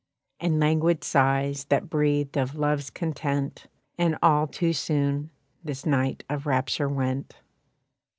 And languid sighs that breathed of love's content And all too soon this night of rapture went.